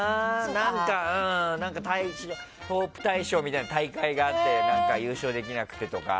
何とかホープ大賞みたいな大会があって優勝できなくてとか。